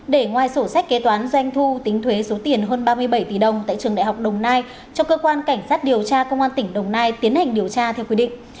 để ngoài sổ sách kế toán doanh thu tính thuế số tiền hơn ba mươi bảy tỷ đồng tại trường đại học đồng nai cho cơ quan cảnh sát điều tra công an tỉnh đồng nai tiến hành điều tra theo quy định